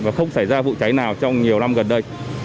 và không xảy ra vụ cháy nào trong nhiều năm gần đây